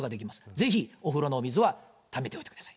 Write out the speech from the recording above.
ぜひお風呂のお水はためておいてください。